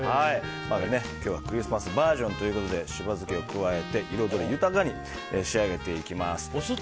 今日はクリスマスバージョンということでしば漬けを加えて彩り豊かに仕上げていきます。